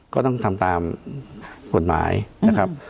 ก็ต้องทำตามกรรมตรี